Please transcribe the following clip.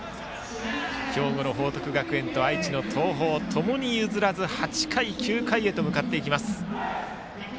兵庫の報徳学園と愛知の東邦ともに譲らず８回、９回へと向かっていきます。